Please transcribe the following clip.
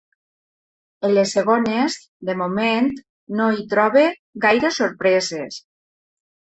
En les segones, de moment, no hi trobo gaires sorpreses.